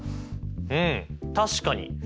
うん確かに！